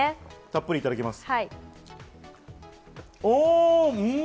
たっぷりいただきます。